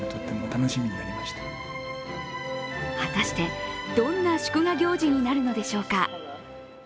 果たして、どんな祝賀行事になるのでしょうか。